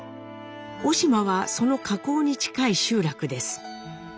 小島はその河口に近い集落です。